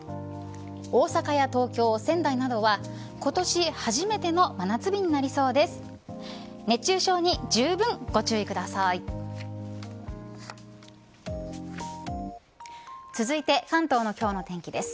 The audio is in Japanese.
大阪や東京、仙台などは今年初めての真夏日になりそうです。